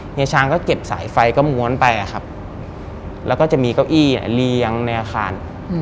เฮียช้างก็เก็บสายไฟกระมวลไปอะครับแล้วก็จะมีเก้าอี้เนี่ยเลี้ยงในอาคาร